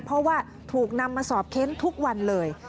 เพราะว่าถูกนำมาสอบเค้นทุกวันเลย